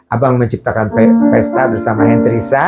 abang menciptakan pesta bersama hentrisa